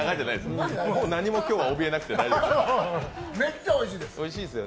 もう何も今日はおびえなくて大丈夫です。